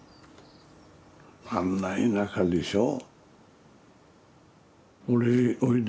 あんな田舎でしょ。